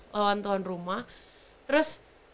lawan tuan rumah terus